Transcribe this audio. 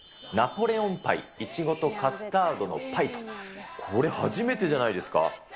ナポレオンパイ、苺とカスタードのパイと、これ、初めてじゃないですか。